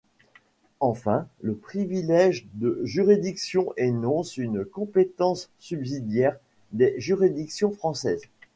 Enfin, le privilège de juridiction énonce une compétence subsidiaire des juridictions françaises.